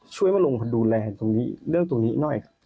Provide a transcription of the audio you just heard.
ช่วยมาดูแลเรื่องตรงนี้หน่อย